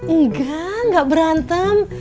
engga enggak berantem